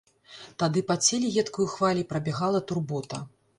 Тады па целе едкаю хваляй прабягала турбота.